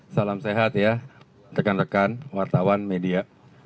salam sehat ya rekan rekan wartawan media